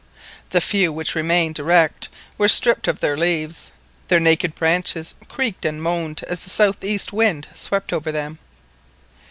The few which remained erect were stripped of their leaves, and their naked branches creaked and moaned as the south east wind swept over them.